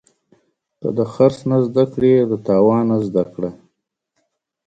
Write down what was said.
که د خرڅ نه زده کړې، له تاوانه زده کړه.